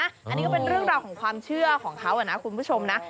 อันนี้ก็เป็นเรื่องราวของความเชื่อของเขานะคุณผู้ชมนะ